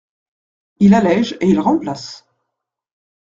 Il allège et il remplace.